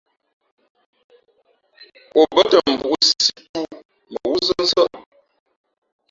O bα̌tα mbūʼ sīsī tōō mα wúzά nsάʼ.